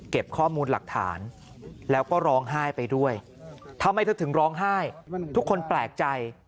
ข้อมูลหลักฐานแล้วก็ร้องไห้ไปด้วยทำไมเธอถึงร้องไห้ทุกคนแปลกใจ